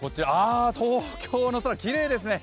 東京の空、きれいですね。